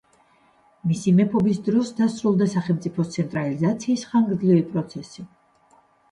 მისი მეფობის დროს დასრულდა სახელმწიფოს ცენტრალიზაციის ხანგრძლივი პროცესი.